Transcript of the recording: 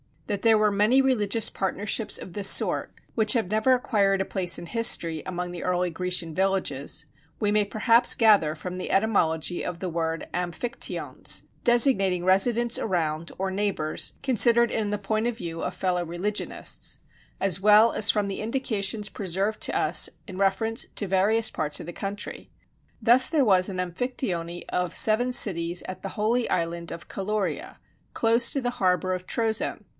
That there were many religious partnerships of this sort, which have never acquired a place in history, among the early Grecian villages, we may perhaps gather from the etymology of the word Amphictyons designating residents around, or neighbors, considered in the point of view of fellow religionists as well as from the indications preserved to us in reference to various parts of the country. Thus there was an Amphictyony of seven cities at the holy island of Caluria, close to the harbor of Troezen.